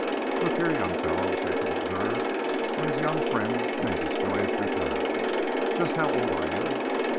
"Look here, young fellow," Jacob observed, when his young friend made his joyous return, "just how old are you?"